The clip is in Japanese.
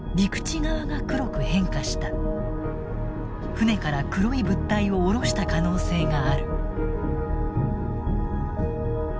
船から黒い物体を降ろした可能性がある。